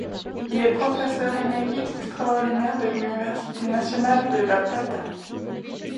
Il est professeur émérite extraordinaire de l'université nationale de La Plata.